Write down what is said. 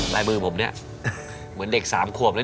ลายมือผมเนี่ยเหมือนเด็กสามขวบเลย